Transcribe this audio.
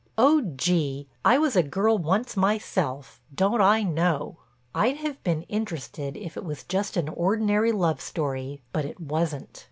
Oh, gee—I was a girl once myself—don't I know! I'd have been interested if it was just an ordinary love story, but it wasn't.